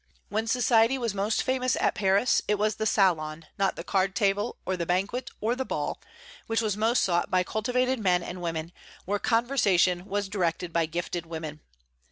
When society was most famous at Paris, it was the salon not the card table, or the banquet, or the ball which was most sought by cultivated men and women, where conversation was directed by gifted women.